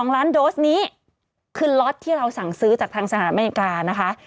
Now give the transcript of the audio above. ๒ล้านโดสนี้คือล็อตที่เราสั่งซื้อจากทางสหรัฐอเมริกานะคะ